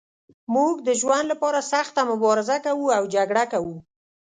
موږ د ژوند لپاره سخته مبارزه کوو او جګړه کوو.